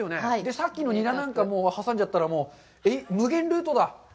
さっきのにらなんかも挟んじゃったら、無限ルートだ。